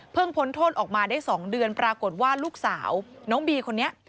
พ้นโทษออกมาได้๒เดือนปรากฏว่าลูกสาวน้องบีคนนี้